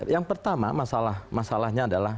yang pertama masalahnya adalah